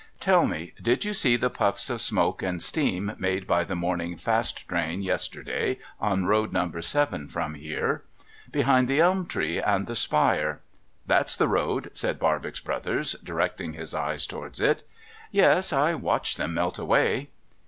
' Tell me. Did you see the puffs of smoke and steam made by the morning fast train vesterday on road number seven from here ?'' Behind the elm trees and the spire ?'' That's the road,' said Barbox Brothers, directing his eyes towards it. .' Yes. I watched them melt away.'